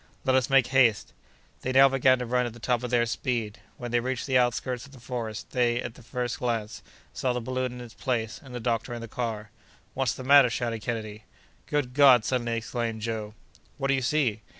"Let us make haste!" They now began to run at the top of their speed. When they reached the outskirts of the forest, they, at first glance, saw the balloon in its place and the doctor in the car. "What's the matter?" shouted Kennedy. "Good God!" suddenly exclaimed Joe. "What do you see?"